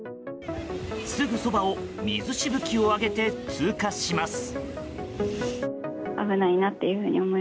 すぐそばを水しぶきを上げて通過します。